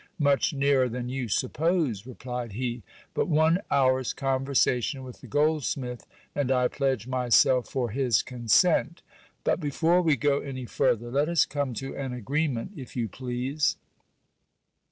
Much nearer tl an you suppose, replied he. But one hour's conversation with the goldsmith, j and I pledge myself for his consent. But, before we go any further, let us come 3 io GIL BLAS. to an agreement, if you please.